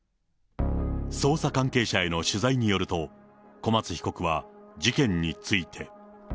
捜査関係者への取材によると、小松被告は事件について。